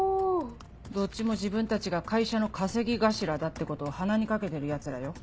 どっちも自分たちが会社の稼ぎ頭だってことを鼻にかけてるヤツらよ。